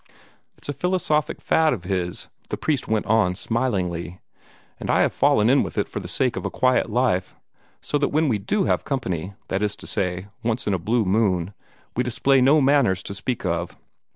"It's a philosophic fad of his," the priest went on smilingly, "and I have fallen in with it for the sake of a quiet life; so that when we do have company that is to say, once in a blue moon we display no manners to speak of."